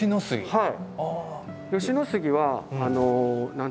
はい。